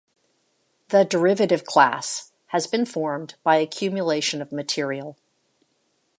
The derivative class has been formed by accumulation of material.